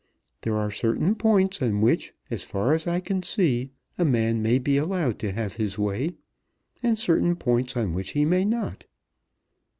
"There are certain points on which, as far as I can see, a man may be allowed to have his way, and certain points on which he may not."